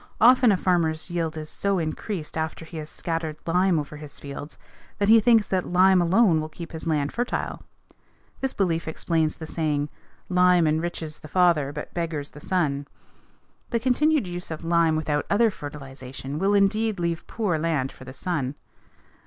Often a farmer's yield is so increased after he has scattered lime over his fields that he thinks that lime alone will keep his land fertile. This belief explains the saying, "Lime enriches the father but beggars the son." The continued use of lime without other fertilization will indeed leave poor land for the son.